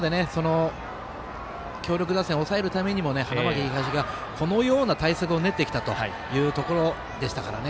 強力打線を抑えるためにも花巻東が、このような対策を練ってきたというようなところでしたからね